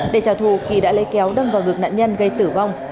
để trả thù kỳ đã lấy kéo đâm vào ngực nạn nhân gây tử vong